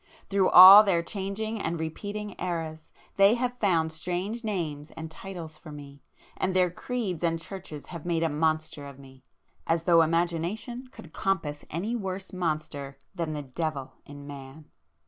Through all their changing and repeating eras, they have found strange names and titles for me,—and their creeds and churches have made a monster of me,—as though imagination could compass any worse monster than the Devil in Man!"